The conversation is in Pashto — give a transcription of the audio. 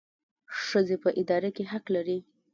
ښځې په اداره کې حق لري